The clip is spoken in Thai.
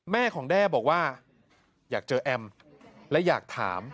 แม่ของแด้บอกว่าอยากเจอแอมและอยากถาม